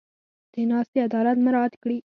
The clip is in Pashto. د ناستې عدالت مراعت کړي.